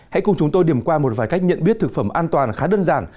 hãy cùng chúng tôi điểm qua một vài cách nhận biết thực phẩm an toàn khá đơn giản